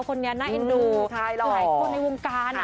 คนนี้น่าเอ็นดูหลายคนในวงการ